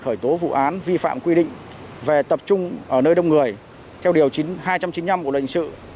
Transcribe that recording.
hủy tố vụ án vi phạm quy định về tập trung ở nơi đông người theo điều hai trăm chín mươi năm của lãnh sự